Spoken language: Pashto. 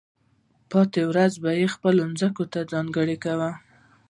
پاتې ورځې به یې خپلو ځمکو ته ځانګړې کولې.